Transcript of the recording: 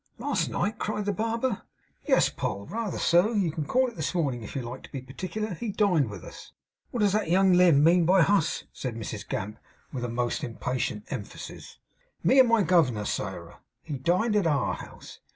'Last night!' cried the barber. 'Yes, Poll, reether so. You can call it this morning, if you like to be particular. He dined with us.' 'Who does that young Limb mean by "hus?"' said Mrs Gamp, with most impatient emphasis. 'Me and my Governor, Sairah. He dined at our house.